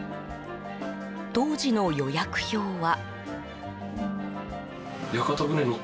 当時の予約表は。